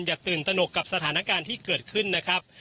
อย่าตื่นตนกกับสถานการณ์ที่เกิดขึ้นนะครับ